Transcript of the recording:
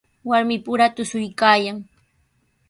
Warmipura tushuykaayan.